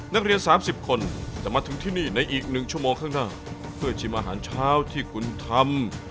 นักเรียน๓๐คนจะมาถึงที่นี่ในอีก๑ชั่วโมงข้างหน้าเพื่อชิมอาหารเช้าที่คุณทำ